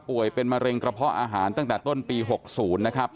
เป็นมะเร็งกระเพาะอาหารตั้งแต่ต้นปี๖๐นะครับ